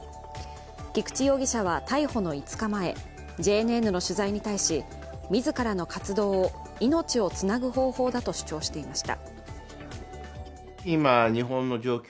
菊池容疑者は逮捕の５日前、ＪＮＮの取材に対し自らの活動を、命をつなぐ方法だと主張していました。